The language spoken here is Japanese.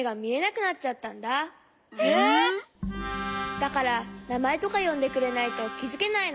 だからなまえとかよんでくれないときづけないの。